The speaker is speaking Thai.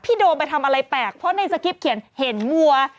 โดมไปทำอะไรแปลกเพราะในสกริปเขียนเห็นวัว